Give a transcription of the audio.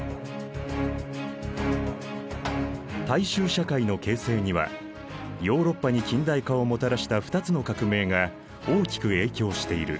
大衆社会の形成にはヨーロッパに近代化をもたらした二つの革命が大きく影響している。